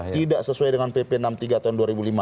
tidak sesuai dengan pp enam puluh tiga tahun dua ribu lima belas